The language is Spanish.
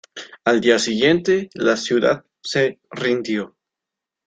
Al día siguiente, la ciudad se rindió.